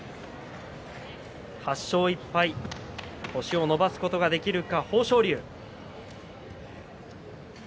８勝１敗の星を伸ばすことができるか関脇豊昇龍。